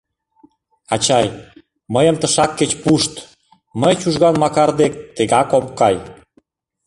— Ачай, мыйым тышак кеч пушт, мый Чужган Макар дек тегак ом кай!